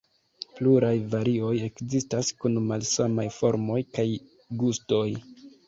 Pluraj varioj ekzistas kun malsamaj formoj kaj gustoj.